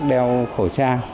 đeo khẩu trang